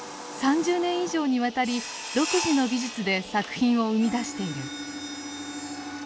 ３０年以上にわたり独自の技術で作品を生み出している。